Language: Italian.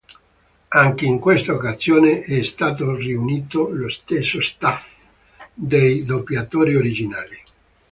Anche in questa occasione, è stato riunito lo stesso staff dei doppiatori originali.